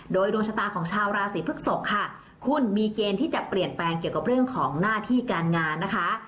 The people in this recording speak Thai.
โดยดวงชะตาของชาวราศีพฤกษกค่ะคุณมีเกณฑ์ที่จะเปลี่ยนแปลงเกี่ยวกับเรื่องของหน้าที่การงานนะคะ